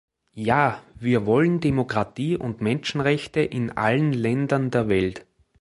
Ja, wir wollen Demokratie und Menschenrechte in allen Ländern der Welt.